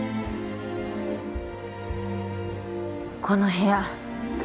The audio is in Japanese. この部屋